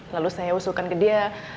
lalu saya usulkan ke dia